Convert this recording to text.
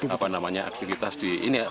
apa namanya aktivitas di ini ya